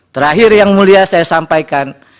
terakhir yang mulia saya sampaikan